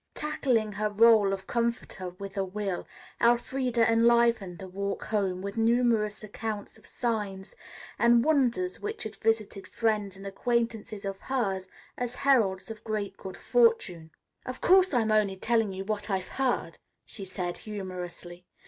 Tackling her rôle of comforter with a will, Elfreda enlivened the walk home with numerous accounts of signs and wonders which had visited friends and acquaintances of hers as heralds of great good fortune. "Of course, I'm only telling you what I've heard," she said humorously.